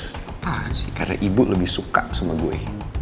apa sih karena ibu lebih suka sama gue